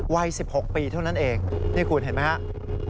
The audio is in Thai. วัย๑๖ปีเท่านั้นเองนี่คุณเห็นไหมครับ